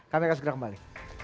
kami akan segera kembali